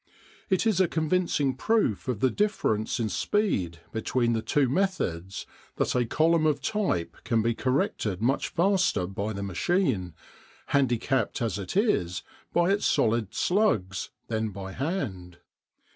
It is a convincing proof of the difference in speed between the two methods that a column of type can be corrected much faster by the machine, handicapped as it is by its solid "slugs," than by hand.